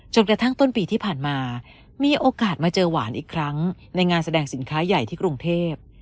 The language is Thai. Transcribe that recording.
กระทั่งต้นปีที่ผ่านมามีโอกาสมาเจอหวานอีกครั้งในงานแสดงสินค้าใหญ่ที่กรุงเทพ